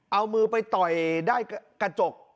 เอามือไปต่อยได้กระจก